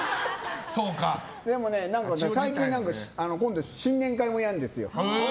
でもね、今度新年会やるんですよね。